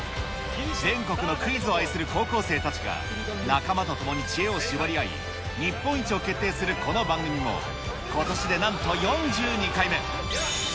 全国のクイズを愛する高校生たちが、仲間とともに知恵を絞り合い、日本一を決定するこの番組も、ことしでなんと４２回目。